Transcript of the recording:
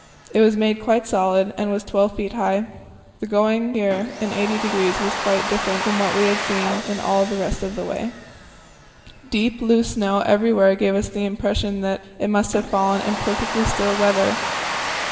It was made quite solid, and was 12 feet high. The going here in 80° was quite different from what we had had all the rest of the way. Deep, loose snow every where gave us the impression that it must have fallen in perfectly still weather.